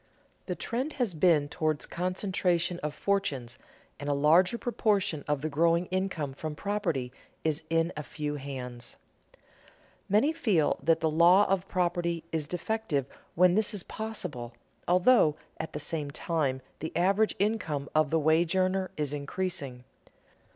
The trend has been toward concentration of fortunes and a larger proportion of the growing income from property is in a few hands. Many feel that the law of property is defective when this is possible, although at the same time the average income of the wage earner is increasing.